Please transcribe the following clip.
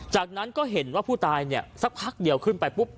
จากนั้นก็เห็นว่าผู้ตายเนี่ยสักพักเดียวขึ้นไปปุ๊บ